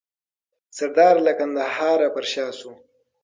سردار له کندهار پر شا سو.